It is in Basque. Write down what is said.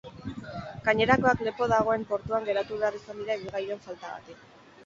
Gainerakoak lepo dagoen portuan geratu behar izan dira ibilgailuen faltagatik.